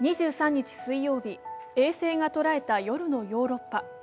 ２３日水曜日、衛星が捉えた夜のヨーロッパ。